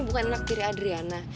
bukan anak diri adriana